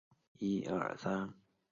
那天恰巧是法国国庆日。